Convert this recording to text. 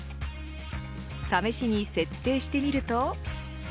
試しに設定してみると。